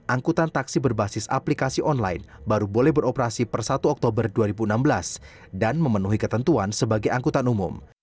angkutan taksi berbasis aplikasi online baru boleh beroperasi per satu oktober dua ribu enam belas dan memenuhi ketentuan sebagai angkutan umum